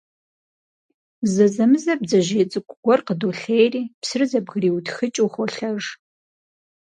Зэзэмызэ бдзэжьей цӀыкӀу гуэр къыдолъейри, псыр зэбгриутхыкӀыу, холъэж.